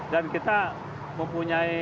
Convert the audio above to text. dan kita mempunyai